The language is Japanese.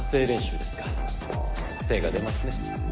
精が出ますね。